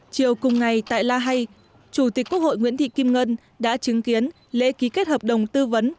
chiều cùng ngày tại la hay chủ tịch quốc hội nguyễn thị kim ngân đã chứng kiến lễ ký kết hợp đồng tư vấn